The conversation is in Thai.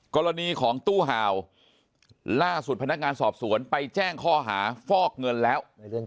กรณีของตู้ห่าวล่าสุดพนักงานสอบสวนไปแจ้งข้อหาฟอกเงินแล้ว